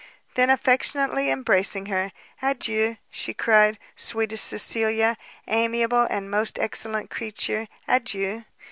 Then affectionately embracing her, "Adieu," she cried, "sweetest Cecilia, amiable and most excellent creature, adieu!